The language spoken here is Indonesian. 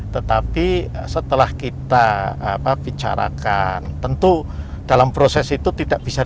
tetapi setelah kita bicarakan tentu dalam proses itu tidak bisa